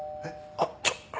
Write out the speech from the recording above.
あっちょっ。